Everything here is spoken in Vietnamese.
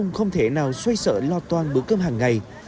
không thể nào xoay sợ lo toan bữa cơm hàng ngày